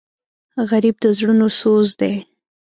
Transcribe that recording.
غریب د زړونو سوز دی